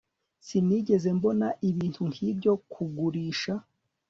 sinigeze mbona ibintu nkibyo kugurisha